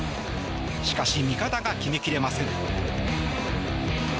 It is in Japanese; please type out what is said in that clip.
しかし、味方が決め切れません。